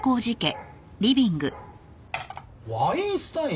ワインスタイン？